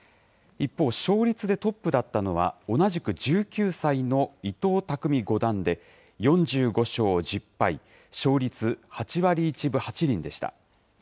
一方、勝率でトップだったのは、同じく１９歳の伊藤匠五段で、４５勝１０敗、勝率８割１分８厘でした。